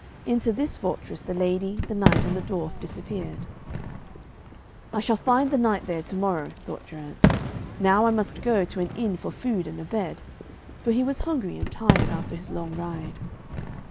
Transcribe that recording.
Into this fortress the lady, the knight and the dwarf disappeared. 'I shall find the knight there to morrow,' thought Geraint 'Now I must go to an inn for food and a bed,' for he was hungry and tired after his long ride.